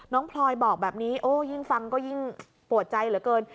พลอยบอกแบบนี้โอ้ยิ่งฟังก็ยิ่งปวดใจเหลือเกิน